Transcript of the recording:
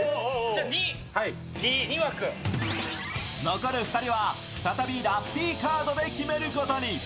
残る２人は、再びラッピーカードで決めることに。